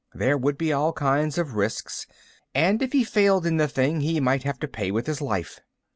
There would be all kinds of risks and, if he failed in the thing, he might have to pay with his life.